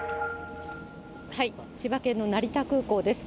千葉県の成田空港です。